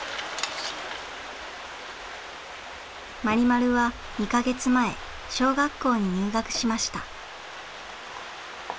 マリマルは２か月前小学校に入学しました。